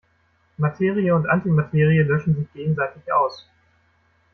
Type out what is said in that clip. Materie und Antimaterie löschen sich gegenseitig aus.